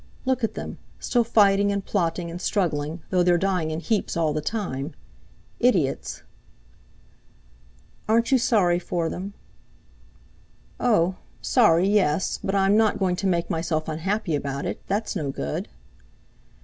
Look at them, still fighting and plotting and struggling, though they're dying in heaps all the time. Idiots!" "Aren't you sorry for them?" "Oh! sorry—yes, but I'm not going to make myself unhappy about it; that's no good."